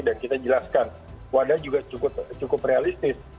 dan kita jelaskan wadah juga cukup realistis